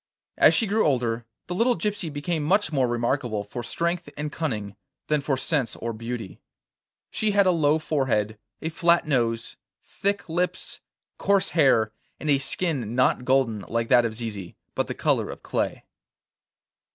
As she grew older, the little gypsy became much more remarkable for strength and cunning than for sense or beauty. She had a low forehead, a flat nose, thick lips, coarse hair, and a skin not golden like that of Zizi, but the colour of clay.